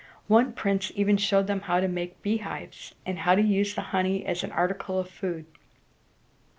One prince even showed them how to make beehives, and how to use the honey as an article of food.